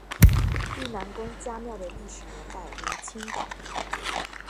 愈南公家庙的历史年代为清代。